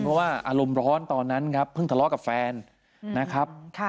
เพราะว่าอารมณ์ร้อนตอนนั้นครับเพิ่งทะเลาะกับแฟนนะครับ